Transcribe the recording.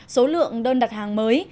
số lượng đơn đặt hàng mới